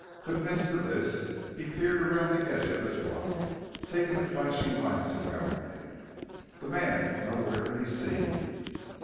Convinced of this he peered around the edge of his rock, taking a flashing glance around him. The man was nowhere to be seen.